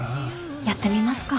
やってみますか。